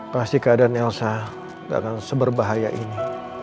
pasti keadaan elsa gak akan seberbahaya ini